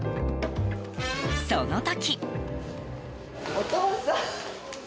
その時。